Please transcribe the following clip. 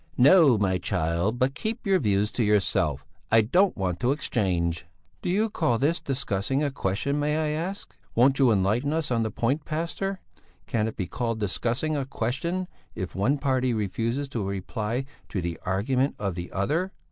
"No, my child; but keep your views to yourself; I don't want to exchange." "Do you call this discussing a question, may I ask? Won't you enlighten us on the point, pastor? Can it be called discussing a question if one party refuses to reply to the argument of the other?"